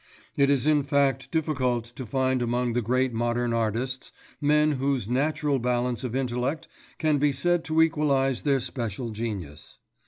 It is in fact difficult to find among the great modern artists men whose natural balance of intellect can be said to equalise their special genius.